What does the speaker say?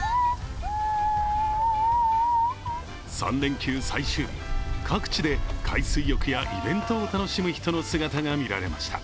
３連休最終日、各地で海水浴やイベントを楽しむ人の姿が見られました。